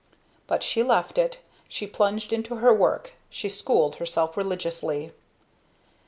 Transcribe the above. But she left it, she plunged into her work, she schooled herself religiously.